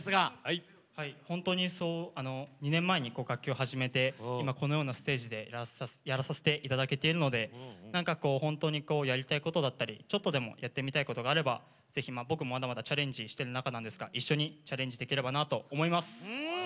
本当に２年前に楽器を始めて今、このようなステージにやらさせていただけているので本当に、やりたいことだったりちょっとでもやってみたいことがあればぜひ僕も、まだまだチャレンジしてる中なんですが一緒にチャレンジできればなと思います。